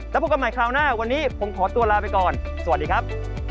แล้วพบกันใหม่คราวหน้าวันนี้ผมขอตัวลาไปก่อนสวัสดีครับ